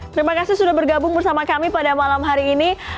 terima kasih sudah bergabung bersama kami pada malam hari ini